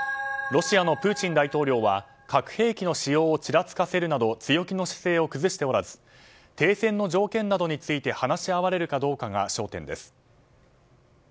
ロシアのプーチン大統領は核兵器に使用をちらつかせるなど強気の姿勢を崩しておらず停戦の条件などについて話し合われるかどうかが焦点です。